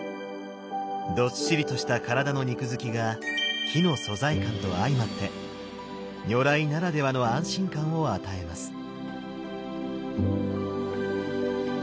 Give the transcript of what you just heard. どっしりとした体の肉づきが木の素材感と相まって如来ならではの安心感を与えます。